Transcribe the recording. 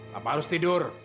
papa harus tidur